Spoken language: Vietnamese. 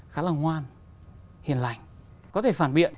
khá là ngoan hiền lành có thể phản biện